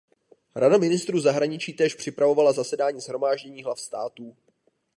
Rada ministrů zahraničí též připravovala zasedání Shromáždění hlav států.